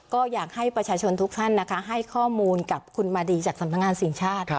ก็อยากให้ประชาชนทุกท่านนะคะให้ข้อมูลกับคุณมาดีจากสำนักงานสิ่งชาติ